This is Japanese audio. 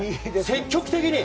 積極的に！